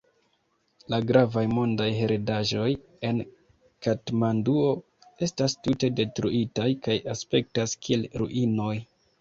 La gravaj mondaj heredaĵoj en Katmanduo estas tute detruitaj kaj aspektas kiel ruinoj.